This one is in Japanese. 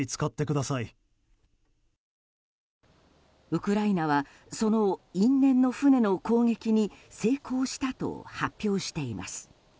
ウクライナはその因縁の船の攻撃に成功したと発表しています。